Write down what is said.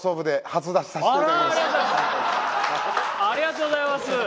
ありがとうございます。